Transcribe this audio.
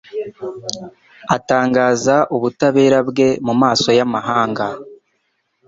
atangaza ubutabera bwe mu maso y’amahanga